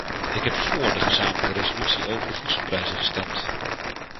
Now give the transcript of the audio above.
Ik heb voor de gezamenlijke resolutie over de voedselprijzen gestemd.